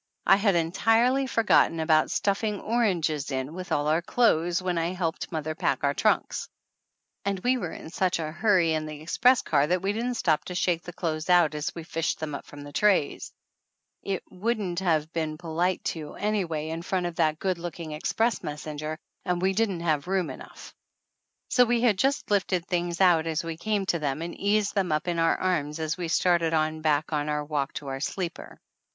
I had entirely forgotten about stuffing oranges in with all our clothes when I helped mother pack our trunks ! And we were in such 268 THE ANNALS OF ANN a hurry in the express car that we didn't stop to shake the clothes out as we fished them up from the trays; it wouldn't have been polite to, anyway, in front of that good looking ex press messenger, and we didn't have room enough. So we had just lifted things out as we came to them and eased them up in our arms as we started on back on our walk to our sleeper.